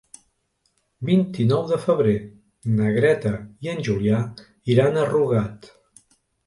El vint-i-nou de febrer na Greta i en Julià iran a Rugat.